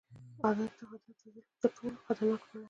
عادت د ظلم تر ټولو خطرناک بڼې ده.